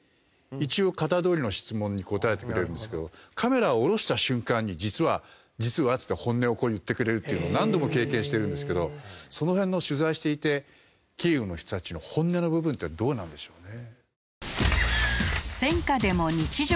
一応型どおりの質問に答えてくれるんですけどカメラを下ろした瞬間に「実は」って本音をこう言ってくれるっていうの何度も経験してるんですけどその辺の取材をしていてキーウの人たちの本音の部分ってどうなんでしょうね。